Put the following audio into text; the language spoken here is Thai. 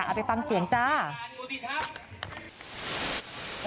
เอาไปฟังเสียงนะคะ